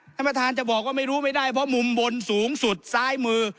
ท่านประธานจะบอกว่าไม่รู้ไม่ได้เพราะมุมบนสูงสุดซ้ายมือ